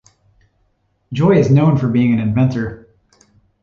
Joy is known for being an inventor.